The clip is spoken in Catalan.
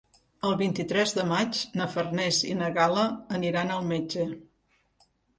El vint-i-tres de maig na Farners i na Gal·la aniran al metge.